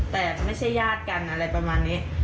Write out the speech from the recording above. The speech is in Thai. แต่ไม่ใช่ญาติกันอะไรประมาณนี้